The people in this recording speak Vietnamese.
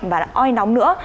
và oi nóng nữa